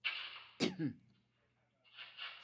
Bunduki nyingi ziliwawezesha kukamata watumwa wengi zaidi